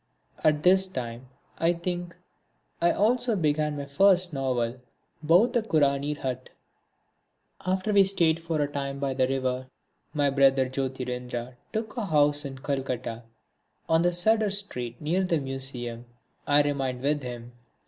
At this time, I think, I also began my first novel, Bauthakuranir Hat. After we had stayed for a time by the river, my brother Jyotirindra took a house in Calcutta, on Sudder Street near the Museum. I remained with him.